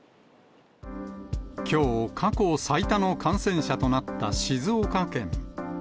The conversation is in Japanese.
きょう、過去最多の感染者となった静岡県。